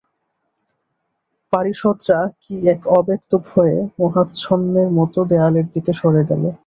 পারিষদরা কী এক অব্যক্ত ভয়ে মোহাচ্ছন্নের মতো দেয়ালের দিকে সরে গেল।